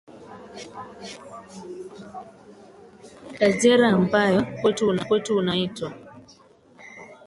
kajera ambao kwetu unakuwa unaitwa